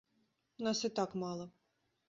Нас і так мала.